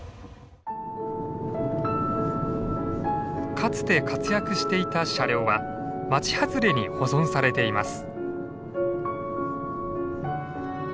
かつて活躍していた車両は町外れに保存されています。